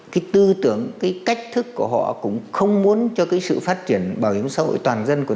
cái tư tưởng cái cách thức của họ cũng không muốn cho cái sự tác động xã hội này rút khỏi